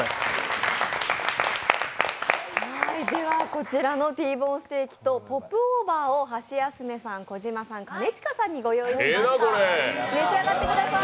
こちらのＴボーンステーキとポップオーバーをハシヤスメさん、小島さん、兼近さんにご用意しました。